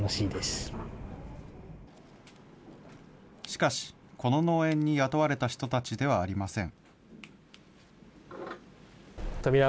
しかし、この農園に雇われた人たちではありません。